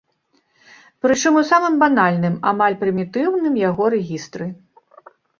Прычым у самым банальным, амаль прымітыўным яго рэгістры.